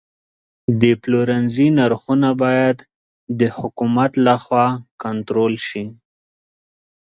د پلورنځي نرخونه باید د حکومت لخوا کنټرول شي.